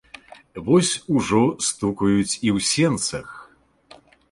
Вось ужо стукаюць і ў сенцах.